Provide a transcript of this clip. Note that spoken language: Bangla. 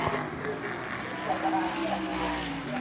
কিন্তু সেই সম্ভাবনা নাকচ করে দিলেন এমবাপ্পে নিজেই।